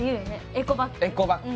エコバッグ。